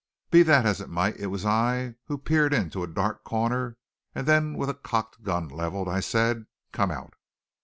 Be that as it might, it was I who peered into a dark corner, and then with a cocked gun leveled I said: "Come out!"